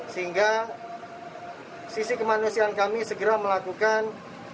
sehingga sisi kemanusiaan kami segera melakukan